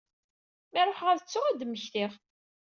Mi ruḥeɣ ad ttuɣ ad d-mmektiɣ.